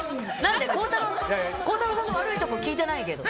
孝太郎さんの悪いところ聞いてないけど。